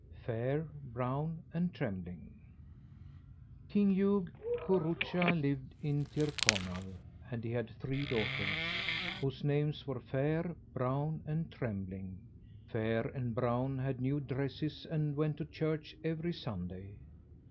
FAIR, BROWN, AND TREMBLING King Hugh Curucha lived in Tir Conal, and he had three daughters, whose names were Fair, Brown, and Trembling. Fair and Brown had new dresses, and went to church every Sunday.